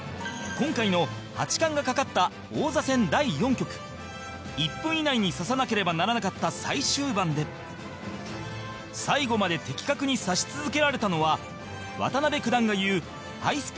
今回の、八冠が懸かった王座戦、第４局１分以内に指さなければならなかった最終盤で最後まで的確に指し続けられたのは渡辺九段が言う、ハイスピードな計算力があったからなのだろう